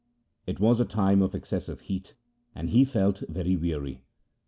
It was a time of excessive heat, and he felt very weary.